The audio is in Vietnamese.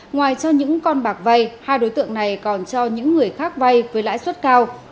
ngoài cho những con bạc vay hai đối tượng này còn cho những người khác vay với lãi suất cao